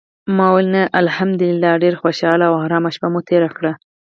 ما ویل: "نه، الحمدلله ډېره خوشاله او آرامه شپه مو تېره کړه".